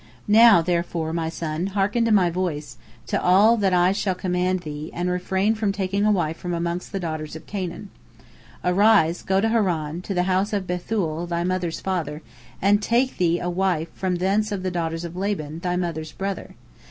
Now therefore, my son, hearken to my voice, to all that I shall command thee, and refrain from taking a wife from amongst the daughters of Canaan. Arise, go to Haran, to the house of Bethuel, thy mother's father, and take thee a wife from thence of the daughters of Laban, thy mother's brother.